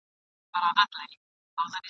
خلکو لمر سپوږمۍ د ده قدرت بللای ..